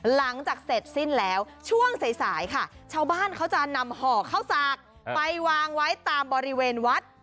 หลังจากเสร็จสิ้นแล้วช่วงสายค่ะชาวบ้านเขาจะนำห่อข้าวสากไปวางไว้ตามบริเวณวัด